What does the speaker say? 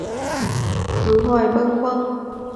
Cứ hoài bâng khuâng